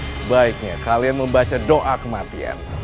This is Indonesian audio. sebaiknya kalian membaca doa kematian